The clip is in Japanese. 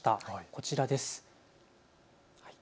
こちらです。